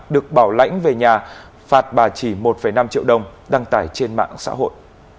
được bảo lãnh về nhà phạt bà chỉ một năm triệu đồng đăng tải trên mạng xã hội